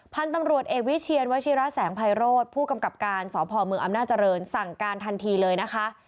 พันธุ์ตำรวจเอกวิเชียนวชิระแสงไพโรธผู้กำกับการสพเมืองอำนาจริงสั่งการทันทีเลยนะคะ